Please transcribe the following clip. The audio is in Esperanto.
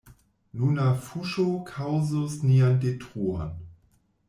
Nuna fuŝo kaŭzus nian detruon.